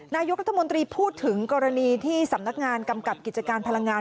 นายกรัฐมนตรีพูดถึงกรณีที่สำนักงานกำกับกิจการพลังงาน